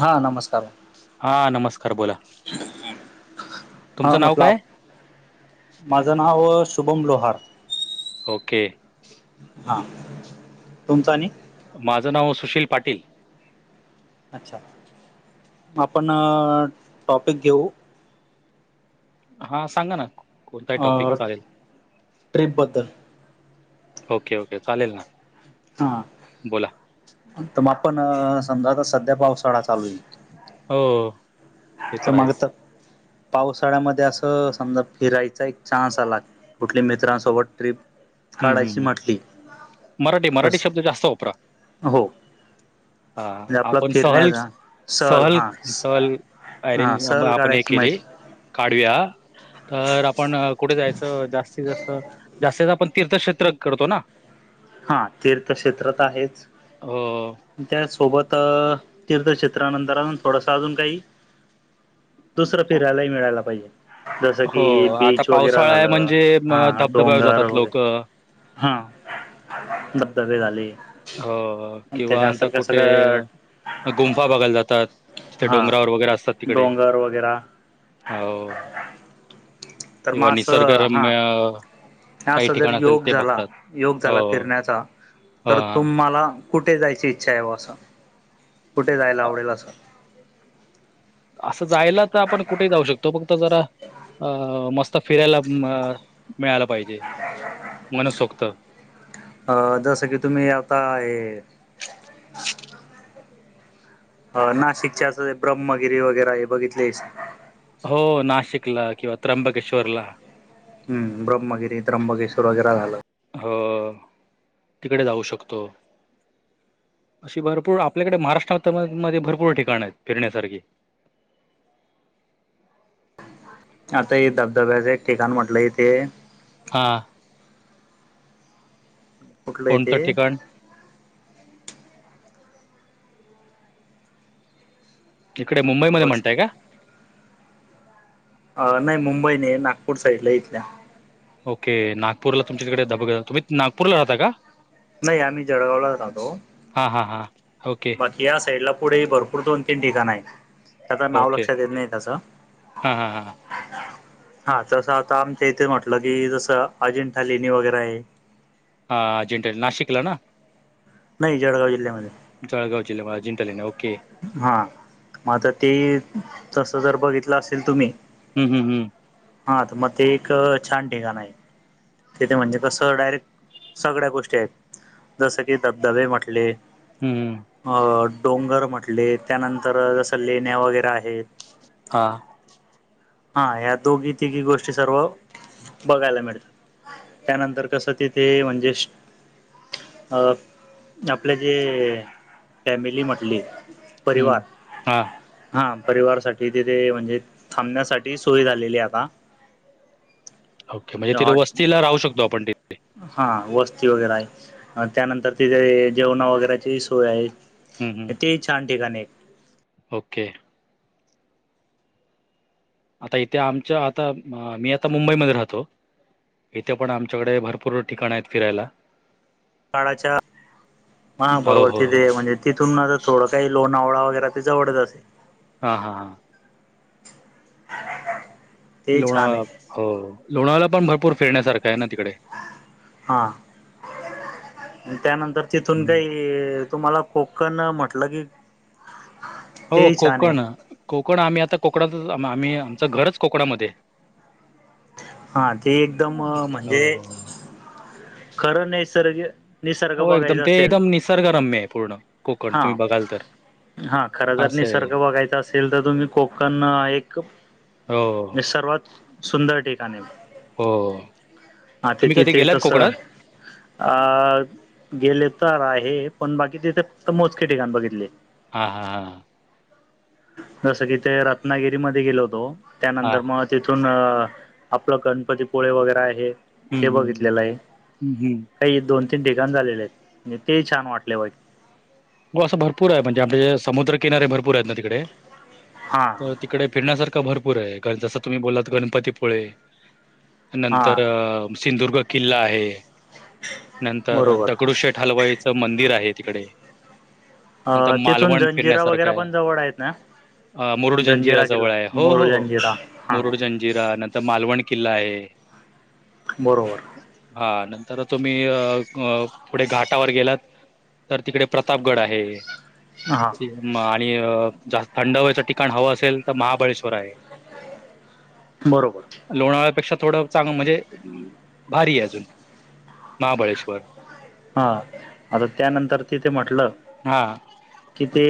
हा नमस्कार. हा नमस्कार बोला. ह तुमचं नाव म्हटलं काय माझं नाव शुभम लोहार. ओके. हा तुमचा नि माझं नाव सुशील पाटील. अच्छा आपण टॉपिक घेऊ. हा सांगा ना. कोणताही टॉपिक चालेल ट्रिपबद्दल ओके ओके चालेल ना. हा बोला तर मग आपण समजा आता सध्या पावसाळा चालू आहेईल. हो. ते तर मग आहेच तर पावसाळ्यामध्ये असं समजा फिरायचा एक चान्स आला. कुठली मित्रांसोबत ट्र्रीप हम् हम्म हम् मराठी मराठी तस शब्द जास्त वापरा. हो हा म्हणजे आपला आपण सहल फिरण्याचा सहल सहल. हां अरेंज सहल आपण काढायची केली. माहिती काढव तर आपण कुठे जायचं जास्तीत जास्त जास्ती आपण तीर्थक्षेत्र करतो ना. हा तीर्थक्षेत्रात आहेच. हो त्या सोबत तीर्थक्षेत्रानंतर अजून थोडस अजून काही दुसर फिरायला मिळायला पाहिजे. जसं की हो आता बीच वगैरे पावसाळा आहे झालं म्हणजे म हा धबधब्यावर डोंगर जातात वगैर लोक हा. धबधबे झाले. हो किंवा असं त्याच्यानंतर कसं कुठे? का गुंफा बघायला जातात ते हा डंगरावर वगैरे असतात. तिकडे डोंगर वगैरे. हो. तर म आस हा. हा ह. असा जर योग झाला योग हो झाला फिरण्याचा. हो, तर हां तुम्हाला कुठे जायची इच्छा आहेव असं कुठे जायला अ, आवडेल असं. असं जायला तर आपण कुठे जाऊ शकतो फक्त जरा अ मस्त फिरायला अ मिळाला पाहिजे मन सोक्त. अ जस की तुम्ही आता हे. अ नाशिकचे असं ब्रह्मगिरी वगैरे हे बघितलेस. हो नाशिकला किंवा त्र्यंबकेश्वरला. हम् ब्रह्मगिरी त्र्यमगेश्वर वगैरे झालं. अ तिकडे जाऊ शकतो. अशी भरपूर आपल्याकडे महाराष्ट्रा मध्ये भरपूर ठिकाण आहेत फिरण्यासारखी. आता हे धबधब्याचे ठिकाण म्हटलंय इथ्ये. हां. कुठलं आहे ते. कोणतं ठिकाण इकडे नाव मुंबईमध्येध्ये लक्षात म्हणताय का. अ नाही मुंबई नाही नागपूर साईडला इथल्या. ओके नागपूरला तुमच्याकडे धब तुम्ही नागपूरला राहता का. नाही आम्ही जळगावलाच राहतो. हा हा हा ओके. या साईड ला पुढे भरपूर दोन तीन ठिकाण आहेत. त्याच नाव ओके लक्षात येत नाही त्याचं. हां हां हां हा तसं आता आमच्या इथे म्हटलं कि जसं अजिंठा लेणी वगैरे आहे. हा अजिंठा नाशिकला ना. नाही जळगाव जिल्ह्यामध्ये. जळगाव जिल्यामध्ये अजिंठा लेणी ओके. हा मगं ते तस जर बघितलं असेल तुम्ही हम् हम् हम. हा तर मग ते एक छान ठिकाण आहे. तिथे म्हणजे कसं डायरेक्ट सगळ्या गोष्टी आहेत जसं की धबधबे म्हटले, हम्म. अ डोंगर म्हटले त्यानंतर जसं लेण्या वगैरे आहेत. हां. हा या्या दोघी तिघी गोष्टी सर्व बघायला मिळतात. त्यानंतर कसं तिथे म्हणजे, अ आपले जे फॅमिली म्हटली. हं परिवार हां हा परिवार साठी तिथे म्हणजे थांबण्यासाठी सोय झालेली आता. ओके म्हणजे तथे हॉट वस्तीला राह शकतो आपण तिथे हा वस्ती वगैरे आहे त्यानंतर तिथे जेवणा वगैरेची सोय आहे. हं हं ते छान ठिकाणेत. ओके. आता इथे आमच्या आता मी आता मुंबईमध्ये राहतो. इथे पण आमच्याकडे भरपूर ठिकाण आहेत फिरायला. काळाच्या हा हो बरोबर हो ती हो ते म्हणजे. तिथून आता थोडं काही लोआवळा वगैरे ते जवळ जते. हा हा हा. [inaudible] छान लोणावळा आहे हो लोणावळ्याला पण भरपूर फिरण्यासारखा आहे ना तिकडे. हा त्यानंतर तिथून काही क तुम्हाला कोकण म्हटलं की हो ते छान आहे कोकण, कोकण आम्ही आता कोकणातच आम्ही आमचं घरच कोकणामध्ये. हा ते एकदम आहे. म्हणजे हो हो खरं निसर्ग निसर्ग हो, एकदम बघायचा ते असेल.... एकदम निसर्गरम्य आहे पूर्ण कोकण हा. तुम्ही बघाल तर हा खरं जर असं निसर्ग आहे बघायचा असेल तर तुम्ही कोकण एक. हो हे सर्वात सुंदर ठिकाण आहे ते. हो हा ते तुम्ही कधी तिथे गेलात तसं कोकणात अ. गेले तर आहे पण बाकी तिथे मोजके ठिकाण बघितले. हा हा हा ह. जस की ते रत्नागिरी मध्ये गेलो होतो हा त्यानंतर मग तिथून आपलं गणपतीपुळे वगैरे आहे. हम्म ते हम्म बघितलेलं आहे. हम्म हम्म काही दोन तीन ठिकाण झालेले आहेत म्हणजे ते छान वाटले. गो असं भरपूर आहे म्हणजे आपल समुद्रकिनारे भरपूर आहेत ना तिकडे हां तर. तिकडे फिण्यासारखा भरपूर आहे जसं तुम्ही बोललात गणपतीपुळे. हां नंतर सिंधुदुर्ग किल्ला आहे. नंतर बरोबर दगडूशेठ हलवाईचं मंदिर आहे तिकडे. अ नंतर तिथून मालवण जंजिरा फिरण्यासारखं वगैरे आहे. पण जवळ आहेत ना अ मुरुड, जंजीरा जंजिरा जवळ किल्ला आहे हो मोरू हो जंजिरा हां मुरुड जंज जिरा नंतर मालवण किल्ला आहे. बरोबर. हा नंतर तुम्ही अ अ पुढे घाटावर गेलात तर तिकडे. प्रतापगड आहे. हां. म आणि अ जास्त थंड हवेच ठिकाण हवं असेल तर महाबळेश्वर आहे. बरोबर. लोणावळ्यापेक्षा थोडं चांग म्हणजे भारी आहे अजून महाबळेश्वर हा आता त्यानंतर तिथे म्हटलं हां. कि ते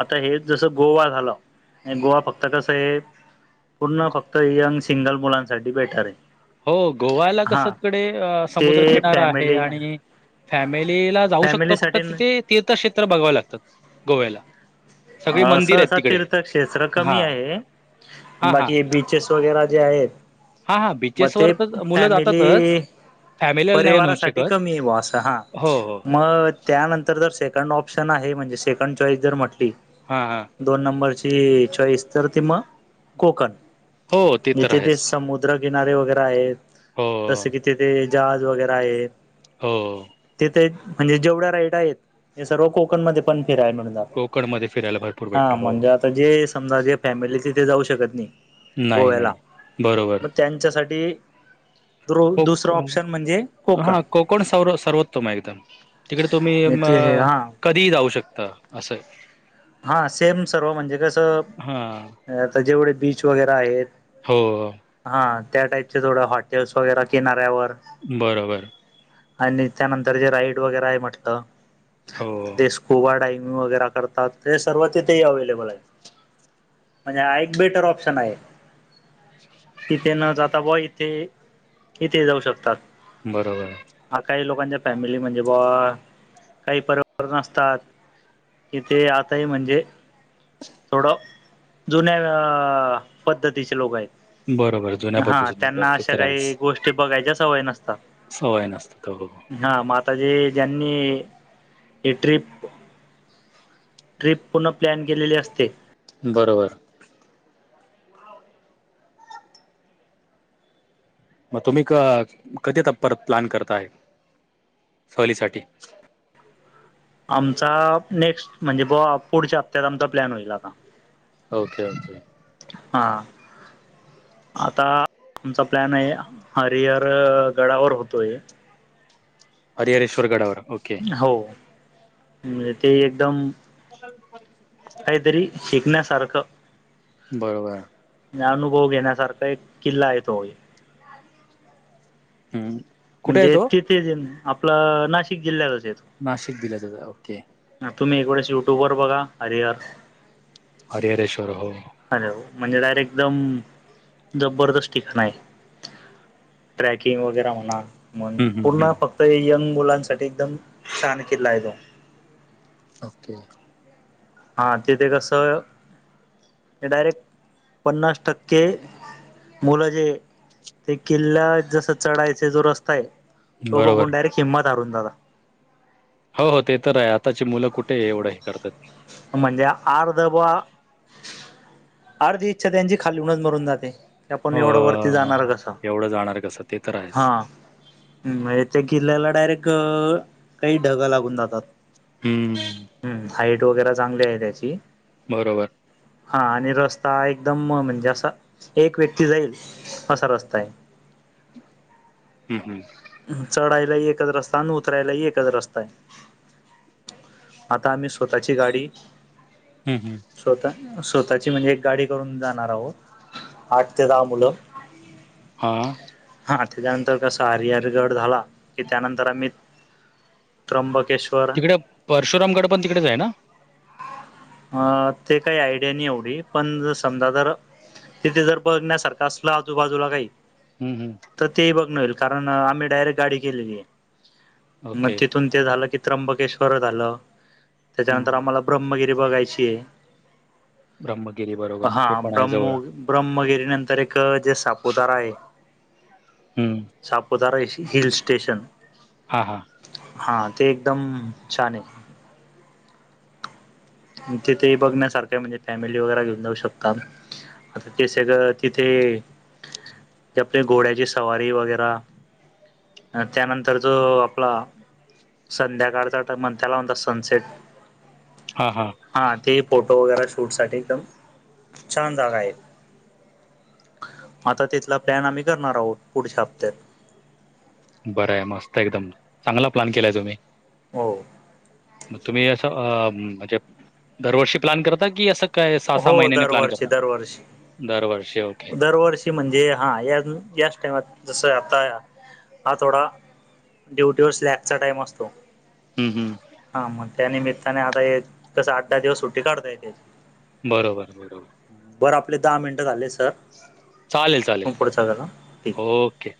आता हेच जसं गोवा झालं आणि गोवा फक्त कसं हे. पुर्ण फक्त यंग सिंगल मुलांसाठी बेटर आहे. हो गोव्याला हा कस तिकडे ते समुद्र किनारा आहे फॅमिली आणि फॅमिलीला जाऊ शकतो फक्त फॅमिलीसाठी तिथे तीर्थक्षेत्र बघावे लागतात गोव्याला. सगळी सहसा मंदिर आहेत असं तिकडे. तीर्थक्षेत्र हां, कमी आहे हां, हां. बाकी बीच चेस वगैरे जे आहेत हा हा मग बीचेसवर ते तर मुलं फॅमिली जातातच फॅमिलीला नाही होऊ परिवारासाठी शकत कमी आहे बुवा असं हा हो हो मग. त्यानंतर जर सेकंड ऑप्शन आहे म्हणजे सेकंड चॉईस जर म्हटली हा हा. दोन नंबरची चॉईस तर ते मग कोकण हो ते तर तिथे समु आहेच समुद्रकिनारे वगैरे आहे हो जसं की तिथे जहाज वगैरे आहे. हो. तिथे म्हणजे जेवढ्या राईड आहेत ते सर्व कोकण मध्ये पण फिरायला म्हणून जात. कोकणमध्येध्ये फिरायला भर हा म्हणजे आता जे समजा जे फॅमिली तिथे जाऊ शकत नाही. नाही गोव्याला नाही मग त्यांच्यासाठी दु कोक दुसरं ऑप्शन म्हणजे हा कोकण सर् सर्वोत्तम आहे एकदम. तिकडे तुम्ही म ते हा कधीही जाऊ शकता असंय. हा सेम सर्व म्हणजे कसं हा अ आता जेवढे बीच वगैरा आहेत. हो. हा त्या टाईपचे थोडं हॉटेल्स वगैरा किनाऱ्यावर बरोबर. आणि त्यानंतर जे राईड वगैर आहे म्हटलं हो ते ओव्हाडायमिंग वगैरा करतात. तर हे सर्व तथेही अवेलेबल आहे म्हणजे हा एक बेटर ऑप्शन आहे. तिथे न जाता व इथे इथे जाऊ शकतात. बरोबर. हा काही लोकांच्या फॅमिली म्हणजे बा काही परिवर्तन असतात. इथे यात. नाही म्हणजे थोडं जुन्या--पद्धतीचे लोक आहेत. बरोबर जुन्या हा पद्धतीने काय त्यांना ते अशा तर काही आहेच गोष्टी बघायच्या सवय नसतात. सवय नसतात हो हो. हा मा आताजे ज्यांनी हे ट्रिप ट्रिप पूर्ण प्लॅन केलेली असते. बरोबर. मग तुम्ही क कधी आता परत प्लॅन करता आहे सहलीसाठी आमचा नेक्स्ट म्हणजे बघा पुढच्या हप्त्यात आमचा प्लॅन होईल आता. Okay okay. हा. आता आमचा प्लॅन आहे हरिहर गडावर होतोय. हरिहरेश्वर गडावर ओके. हो म्हणजे ते एकदम. स [unintelligible] काहीतरी शिकण्यासारखं. बरोबर. अनुभव घेण्यासारखा एक किल्ला आहे तोही हम म्हणजे तिथेच आपलं नाशिक जिल्ह्यातच येतो. नाशिक जिल्ह्यातच आहे ओके. तुम्ही एक वेळेस युट्यब वर बघा हरिहर. हरिहरेश्वर हो. हॅलो म्हणजे डायरेक्ट एकदम जबरदस्त ठिकाण आहे. ट्रॅकिंग वगैरा होणार. मग हम्म पूर्ण हम्म फक्त यंग मुलांसाठी एकदम छान किल्ला आहे तो. ओके. हा तिथे कसं डायरेक्ट पन्नास टक्के. मुलं जे ते किल्ला जसं चढायचं जो रस्ता आहे. तो बघून बरोबर डायरेक्ट हिंमत हारून जातं हो हो ते तर आहे आताची मुलं कुठे एवढं हे करतात. म्हणजे आर्धवा. अर्धी इच्छा त्यांची खालूनच मरून जाते. आपण हो एवढं वरती जाणार कसं एवढं जाणार कसं ते तर हा. आहेच ह म्हे त्या किल्ल्याला डायरेक्ट काही ढगं लागून जातात. हमं. हम्म हाईट वगैरे चांगली आहे त्याची. बरोबर. हा आणि रस्ता एकदम म्हणजे असा एक व्यक्ती जाईल. हशा रस्त आहे. हम् हम्. चढायला एकच रस्ता आणि उतरायला एकच रस्ता आहे. आता आम्ही स्वतःची गाडी हम् हम् स्वतः स्वतःची म्हणजे एक गाडी करून जाणार आहोत. आठ ते दहा मुलं. हां. हा त्याच्यानंतर कसा हरिहरगड झाला की त्यानंतर आम्ही त्रंबक तिकडे परशुराम गड पण तिकडेच आहे ना. अ ते काही आयडिया नाही एवढी पण समजा तर तिथे जर बघण्यासारखं असलं आजूबाजूला काही हम् हम् तर ते बघ न होईल कारण आम्ही डायरेक्ट गाडी केलेली आहे मग ओके तिथ तथून ते झालं की त्र्यंबकेश्वर झालं त्याच्यानंतर हम्म आम्हाला ब्रह्मगिरी बघायची आहे ब्रह्मगिरी बरोबर हे पण आहे जवळ ब्रम्मगिरी नंतर एक जे सापुतारा आहे हम्म सापधारा हिल स्टेशन हा हां हा ते एकदम छान आहे तिथे बघण्यासारखं म्हणजे फॅमिली वगैरे घेऊन जाऊ शकता आता ते सगळं तिथे आपली घोड्याची सवारी वगैर त्यानंतर जो आपला संध्याकाळचा ट म्हण त्याला म्हणता सनसेट हा हा हा ते फोटो वगैरे शूट साठी एकदम छान जागा आहे आता तिथला प्लॅन आम्ही करणार आहोत पुढच्या हप्त्यात बरं आहे मस्त एकदम चांगला प्लॅन केलाय तुम्ही हो मग तुम्ही असं म्हणजे दरवर्षी प्लॅन करता की असं काय सहा सहा हो महिन्याने प्लॅन दरवर्षी करता दरवर्षी दरवर्षी ओके दरवर्षी म्हणजे हा या याच टाइमात जस आता हा थोडा ड्युटीवर स्लॅग चा टाइम असतो हम् हम हा मग त्यानमित्ताने आता कसं आठ दहा दिवस सुट्टी काढताय त्याची बरोबर बरोबर बरं आपले दहा मिनटं झाले सर चालेल चालेल मग पुढचा करा ठीक ओके